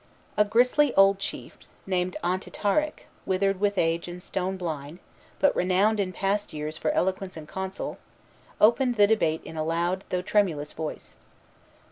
A grisly old chief, named Ontitarac, withered with age and stone blind, but renowned in past years for eloquence and counsel, opened the debate in a loud, though tremulous voice.